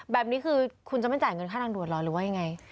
แบบนี้คือคุณจะไม่จ่ายเงินค่าทางด่วนเหรอหรือว่ายังไง